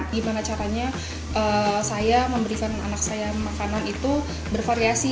gimana caranya saya memberikan anak saya makanan itu bervariasi